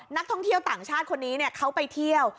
นักท่องเที่ยวต่างชาติคนนี้เขาไปเที่ยว